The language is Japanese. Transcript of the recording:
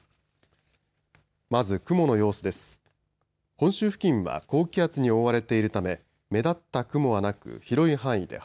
まず雲の様子です。